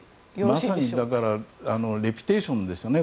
まさにレピュテーションですね。